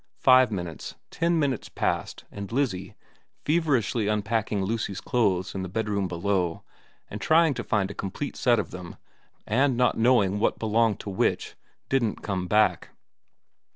Five minutes, ten minutes passed and Lizzie, feverishly unpacking Lucy's clothes in the bedroom below, and trying to find a complete set of them, and not knowing what belonged to which, didn't come back.